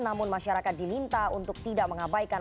namun masyarakat diminta untuk tidak mengabaikan